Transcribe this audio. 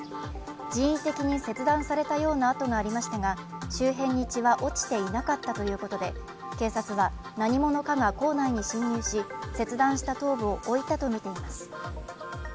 人為的に切断されたような痕がありましたが、周辺に血は落ちていなかったということで、警察は何者かが校内に侵入し、切断した頭部を置いたとみています。